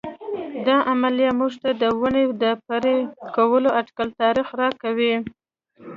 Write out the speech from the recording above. دا عملیه موږ ته د ونې د پرې کولو اټکلي تاریخ راکوي.